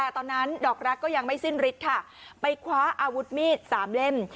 ตอนนั้นดอกรักก็ยังไม่สิ้นฤทธิ์ค่ะไปคว้าอาวุธมีด๓เล่ม